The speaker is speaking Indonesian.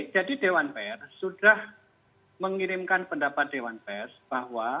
jadi dewan pers sudah mengirimkan pendapat dewan pers bahwa